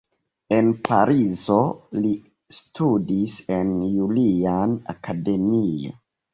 En Parizo li studis en "Julian Akademio".